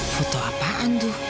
foto apaan tuh